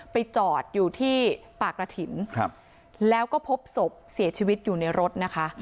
ไปจอดอยู่ที่ปากกระถิ่นแล้วก็พบศพเสียชีวิตอยู่ในรถนะคะ